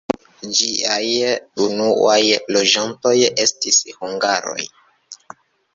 Ĝiaj unuaj loĝantoj estis hungaroj.